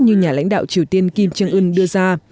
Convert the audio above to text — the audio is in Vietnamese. như nhà lãnh đạo triều tiên kim jong un đưa ra